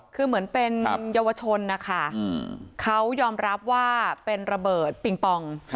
คือเหมือนเป็นเยาวชนนะคะเขายอมรับว่าเป็นระเบิดปิงปอง